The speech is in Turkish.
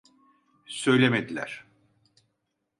Söylemediler.